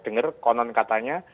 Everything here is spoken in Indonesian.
dengar konon katanya